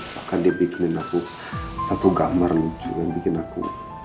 bahkan dia bikin aku satu gambar lucu yang bikin aku